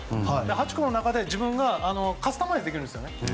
８個の中で、自分がカスタマイズできるんですね。